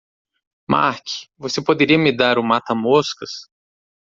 Marc, você poderia me dar o mata-moscas?